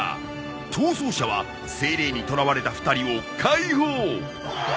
逃走者はセイレーンに捕らわれた２人を解放。